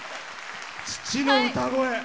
父の歌声。